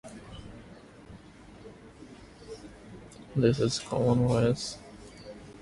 She currently plays third on Team Sarah Hill.